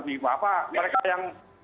mbak mereka yang